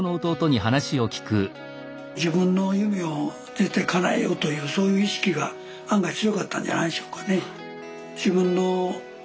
自分の夢を絶対かなえようというそういう意識が案外強かったんじゃないでしょうかね。